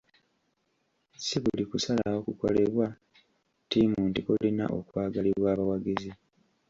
Si buli kusalawo kukolebwa ttiimu nti kulina okwagalibwa abawagizi.